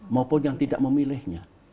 maupun yang tidak memilihnya